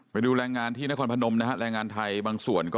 ไปดูแรงงานที่นครพนมนะฮะแรงงานไทยบางส่วนก็